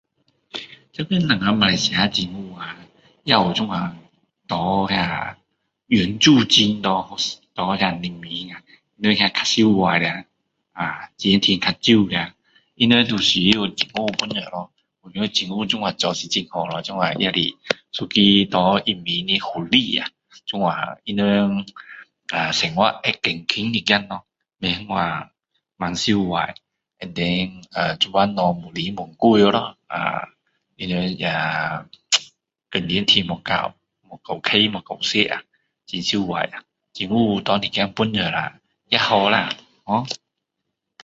这边我们马来西亚也有这样给那个援助金给那个人民呀人那个比较可怜的啊钱赚比较少的他们都需要政府帮助咯我觉得政府这样做很好咯也是一个给人民的福利呀这样他们生活减轻一点咯不会那样这么幸苦and then 呃现在的东西越来越贵他们工钱赚不够不够花不够吃很可怜呀政府给一点帮助下也好啦